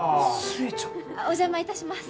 お邪魔いたします。